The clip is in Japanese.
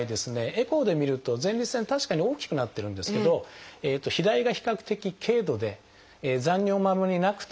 エコーで見ると前立腺確かに大きくなってるんですけど肥大が比較的軽度で残尿もあんまりなくてですね